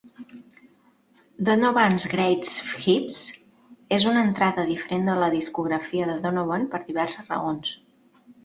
"Donovan's Greatest Hits" és una entrada diferent de la discografia de Donovan per diverses raons.